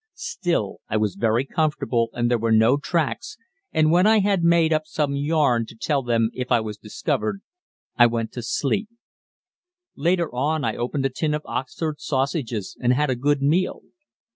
Still I was very comfortable and there were no tracks, and when I had made up some yarn to tell them if I was discovered, I went to sleep. Later on I opened a tin of Oxford sausages and had a good meal.